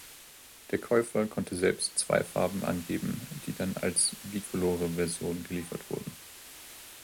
Der Käufer konnte selbst zwei Farben angeben, die dann als Bicolore-Version geliefert wurde.